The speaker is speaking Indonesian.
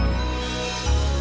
memang aku sudah melakulanku